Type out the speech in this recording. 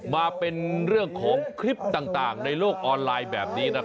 มาเป็นเรื่องของคลิปต่างในโลกออนไลน์แบบนี้นะครับ